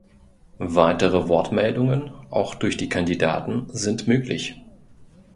Weitere Wortmeldungen, auch durch die Kandidaten, sind möglich.